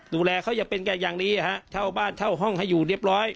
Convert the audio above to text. ดูแลเขาอย่างเป็นแกอย่างดีเช่าบ้านเช่าห้องให้อยู่เรียบร้อย